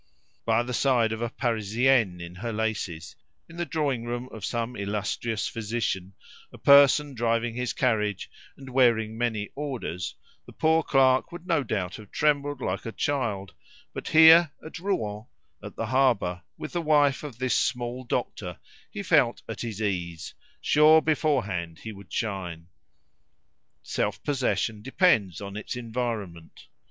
By the side of a Parisienne in her laces, in the drawing room of some illustrious physician, a person driving his carriage and wearing many orders, the poor clerk would no doubt have trembled like a child; but here, at Rouen, on the harbour, with the wife of this small doctor he felt at his ease, sure beforehand he would shine. Self possession depends on its environment.